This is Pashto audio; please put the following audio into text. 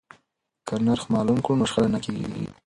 که نرخ معلوم کړو نو شخړه نه کیږي.